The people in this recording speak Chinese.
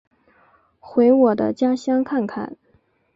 回我的家乡看看